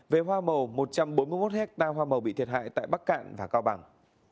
về hoa màu một trăm bốn mươi một hectare hoa màu bị thiệt hại tại bắc cạn và cao bằng